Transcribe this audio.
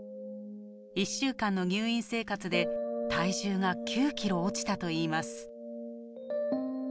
１週間の入院生活で体重が９キロ落ちたといいます。